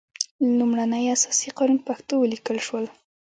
لومړنی اساسي قانون په پښتو ولیکل شول.